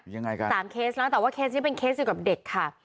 ยังไงกันสามเคสนะแต่ว่าเคสนี้เป็นเคสอยู่กับเด็กค่ะ